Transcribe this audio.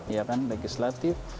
ya kan legislatif